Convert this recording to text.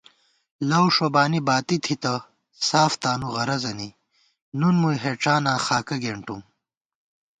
لَؤ ݭوبانی باتی تھِتہ ساف تانُو غرَضَنی، نُن مُوئی ہېڄاناں خاکہ گېنٹُم